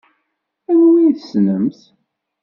Anwa i tessnemt?